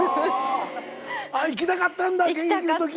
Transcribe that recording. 行きたかったんだ現役のとき。